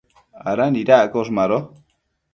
¿ada nidaccosh? Mado